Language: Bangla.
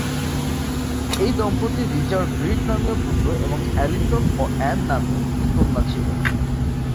এ দম্পতির রিচার্ড রিড নামীয় পুত্র এবং অ্যালিসন ও অ্যান নাম্নী দুই কন্যা ছিল।